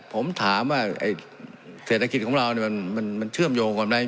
ผมถามว่าไอ้เศรษฐกิจของเราเนี่ยมันมันเชื่อมโยงกว่าไหน